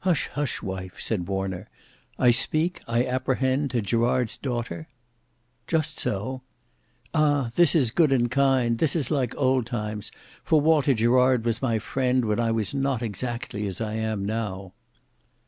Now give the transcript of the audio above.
"Hush, hush, wife!" said Warner. "I speak I apprehend to Gerard's daughter?" "Just so." "Ah! this is good and kind; this is like old times, for Walter Gerard was my friend, when I was not exactly as I am now."